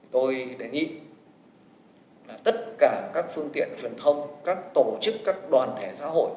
tôi đề nghị là tất cả các phương tiện truyền thông các tổ chức các đoàn thể xã hội